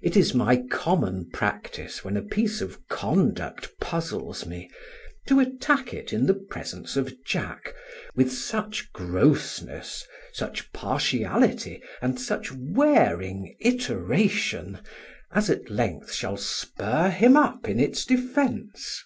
It is my common practice when a piece of conduct puzzles me, to attack it in the presence of Jack with such grossness, such partiality and such wearing iteration, as at length shall spur him up in its defence.